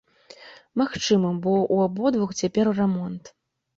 Магчыма, бо ў абодвух цяпер рамонт.